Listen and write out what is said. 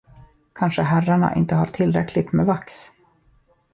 Kanske herrarna inte har tillräckligt med vax?